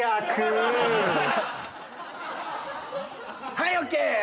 はいＯＫ！